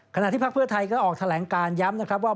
ที่พักเพื่อไทยก็ออกแถลงการย้ำนะครับว่า